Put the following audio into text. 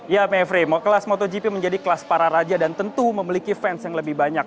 ya mevri mau kelas motogp menjadi kelas para raja dan tentu memiliki fans yang lebih banyak